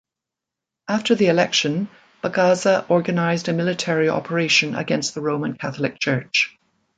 After the election, Bagaza organized a military operation against the Roman Catholic Church.